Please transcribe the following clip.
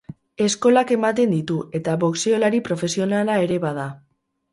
Eskolak ematen ditu eta boxeolari profesionala ere bada.